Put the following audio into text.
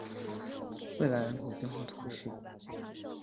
贝莱人口变化图示